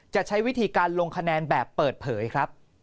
ใช้วิธีการลงคะแนนแบบเปิดเผยครับ